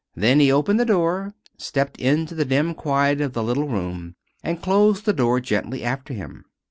Then he opened the door, stepped into the dim quiet of the little room, and closed the door gently after him.